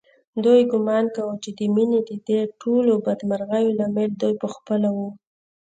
دوی ګومان کاوه چې د مينې ددې ټولو بدمرغیو لامل دوی په خپله و